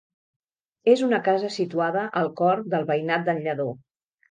És una casa situada al cor del veïnat d'en Lledó.